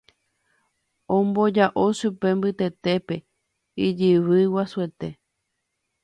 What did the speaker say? Omboja'o chupe mbytetépe ijyvy guasuete.